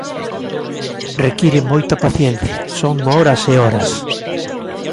Require moita paciencia, son horas e horas.